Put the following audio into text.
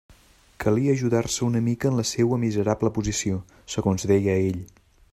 Calia ajudar-se una mica en la seua miserable posició, segons deia ell.